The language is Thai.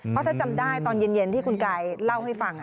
เพราะถ้าจำได้ตอนเย็นที่คุณกายเล่าให้ฟัง